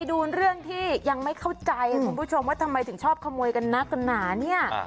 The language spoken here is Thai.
ดูเรื่องที่ยังไม่เข้าใจคุณผู้ชมว่าทำไมถึงชอบขโมยกันนักกันหนาเนี่ย